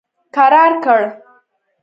کرار کړ.